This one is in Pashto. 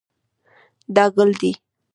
دا ګل دی